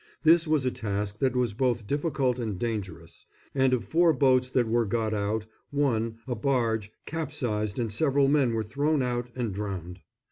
This was a task that was both difficult and dangerous, and of four boats that were got out one, a barge, capsized and several men were thrown out and drowned.